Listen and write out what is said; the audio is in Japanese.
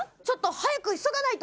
早く急がないと？